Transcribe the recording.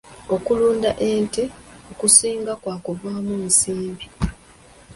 Okulunda ente okusinga kwa kuvaamu nsimbi.